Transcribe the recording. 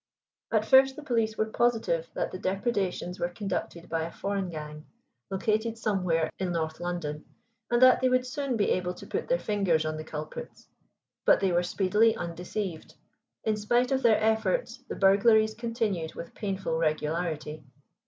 At first the police were positive that the depredations were conducted by a foreign gang, located somewhere in North London, and that they would soon be able to put their fingers on the culprits. But they were speedily undeceived. In spite of their efforts the burglaries continued with painful regularity.